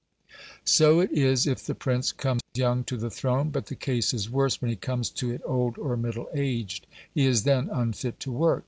So it is if the prince come young to the throne; but the case is worse when he comes to it old or middle aged. He is then unfit to work.